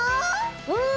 うん！